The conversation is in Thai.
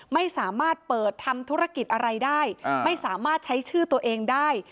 ไม่สามารถเปิดทำธุรกิจอะไรได้ไม่สามารถใช้ชื่อตัวเองได้